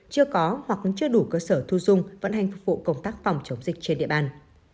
chưa có hoặc chưa đủ cơ sở thu dung vận hành phục vụ công tác phòng chống dịch trên địa bàn